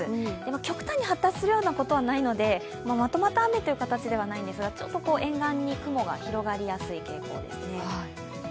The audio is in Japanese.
極端に発達するようなことはないので、まとまった雨という形ではないですがちょっと沿岸に雲が広がりやすい経口ですね。